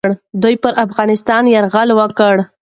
دوی پر افغانستان یرغل وکړ.